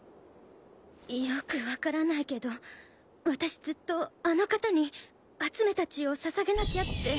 よく分からないけど私ずっとあの方に集めた血を捧げなきゃって。